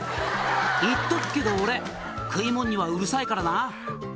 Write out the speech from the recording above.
「言っとくけど俺食い物にはうるさいからな」